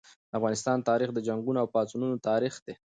د افغانستان تاریخ د جنګونو او پاڅونونو تاریخ دی.